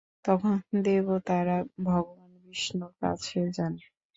তখন দেবতারা ভগবান বিষ্ণুর কাছে যান।